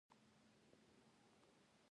پغمان ماڼۍ تاریخي ده؟